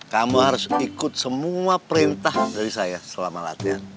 kamu harus ikut semua perintah dari saya selama latihan